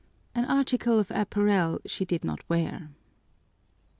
an article of apparel she did not wear.